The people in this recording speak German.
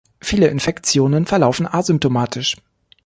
Viele Infektionen verlaufen asymptomatisch.